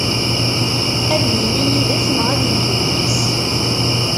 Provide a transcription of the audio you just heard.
Ad yili yid-s, neɣ ad yeglu yis-s.